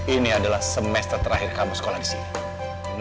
ini adalah semester terakhir kamu sekolah disini